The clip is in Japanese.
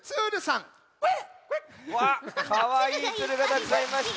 クエッ！わあかわいいツルがたくさんいました。